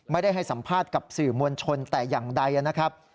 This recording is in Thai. ให้สัมภาษณ์กับสื่อมวลชนแต่อย่างใดนะครับ